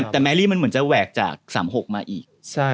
แต่แมรี่มันจะแวกจาก๓๖มาอีก